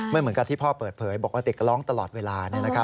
เหมือนกับที่พ่อเปิดเผยบอกว่าเด็กร้องตลอดเวลา